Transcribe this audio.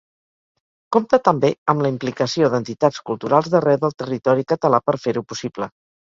Compta també amb la implicació d’entitats culturals d’arreu del territori català per fer-ho possible.